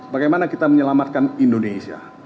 bagaimana kita menyelamatkan indonesia